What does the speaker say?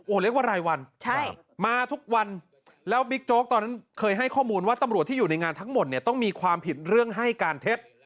เรียกว่ารายวันมาทุกวันแล้วบิ๊กโจ๊กตอนนั้นเคยให้ข้อมูลว่าตำรวจที่อยู่ในงานทั้งหมดเนี่ยต้องมีความผิดเรื่องให้การเท็จ